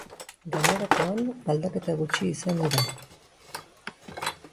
Gainerakoan, aldaketa gutxi izan dira.